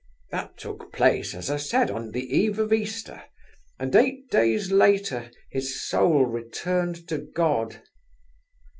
That took place as I said on the eve of Easter, and eight days later his soul returned to God."